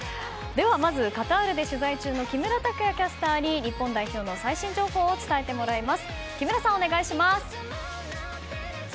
まず、カタールで取材中の木村拓也キャスターに日本代表の最新情報を伝えてもらいます。